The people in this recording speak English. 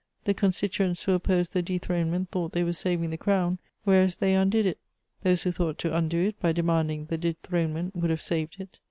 The Constituents who opposed the dethronement thought they were saving the Crown, whereas they undid it; those who thought to undo it by demanding the dethronement would have saved it.